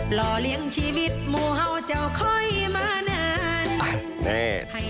หล่อเลี้ยงชีวิตงูเห่าเจ้าค่อยมานาน